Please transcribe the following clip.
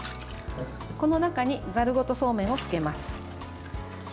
この中にざるごとそうめんをつけます。